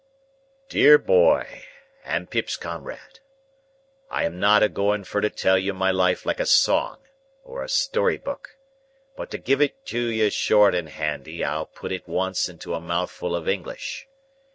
"Dear boy and Pip's comrade. I am not a going fur to tell you my life like a song, or a story book. But to give it you short and handy, I'll put it at once into a mouthful of English.